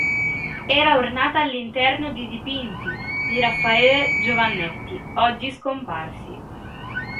Era ornata all'interno di dipinti di Raffaele Giovannetti, oggi scomparsi.